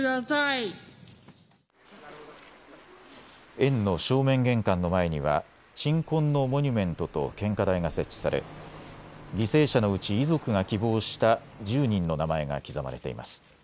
園の正面玄関の前には鎮魂のモニュメントと献花台が設置され、犠牲者のうち遺族が希望した１０人の名前が刻まれています。